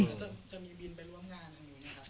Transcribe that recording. จะมีบิลไปร่วมงานอย่างงี้นะครับ